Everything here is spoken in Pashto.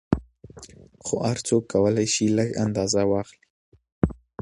خو هر څوک کولای شي لږ اندازه واخلي.